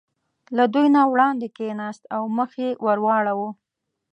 له دوی نه وړاندې کېناست او مخ یې ور واړاوه.